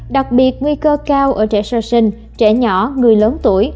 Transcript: đặc biệt nguy cơ cao ở trẻ sơ sinh trẻ nhỏ người lớn tuổi